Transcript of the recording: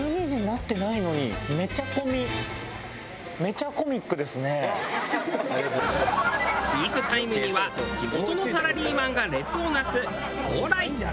ちょっとピークタイムには地元のサラリーマンが列を成す蓬莱。